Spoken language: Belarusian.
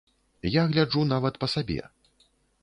Я гляджу нават па сабе.